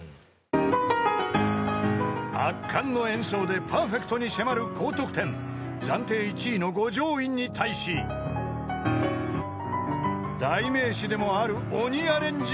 ［圧巻の演奏でパーフェクトに迫る高得点暫定１位の五条院に対し代名詞でもある鬼アレンジを披露したゆうちゃん］